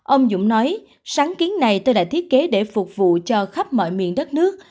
ông dũng nói sáng kiến này tôi đã thiết kế để phục vụ cho khắp mọi miền đất nước